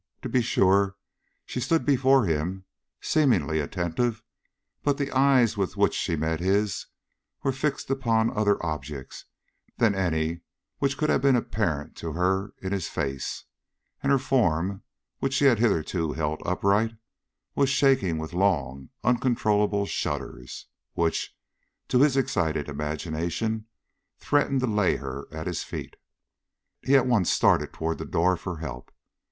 To be sure, she stood before him, seemingly attentive, but the eyes with which she met his were fixed upon other objects than any which could have been apparent to her in his face; and her form, which she had hitherto held upright, was shaking with long, uncontrollable shudders, which, to his excited imagination, threatened to lay her at his feet. He at once started toward the door for help.